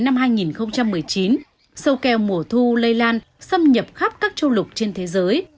trong một thời gian ngắn từ năm hai nghìn một mươi sáu đến năm hai nghìn một mươi chín sâu keo mùa thu lây lan xâm nhập khắp các châu lục trên thế giới